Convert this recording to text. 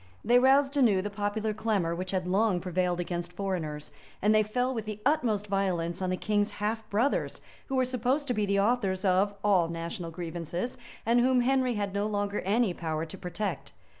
They roused anew the popular clamor which had long prevailed against foreigners; and they fell with the utmost violence on the king's half brothers, who were supposed to be the authors of, all national grievances, and whom Henry had no longer any power to protect.